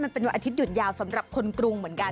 มันเป็นวันอาทิตยุดยาวสำหรับคนกรุงเหมือนกัน